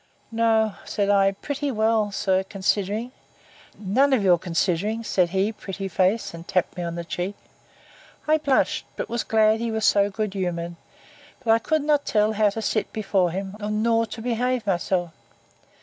No, said I, pretty well, sir, considering. None of your considerings, said he, pretty face; and tapped me on the cheek. I blushed, but was glad he was so good humoured; but I could not tell how to sit before him, nor to behave myself.